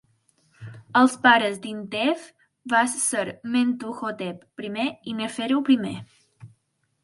Els pares d'Intef vas ser Mentuhotep I i Neferu I.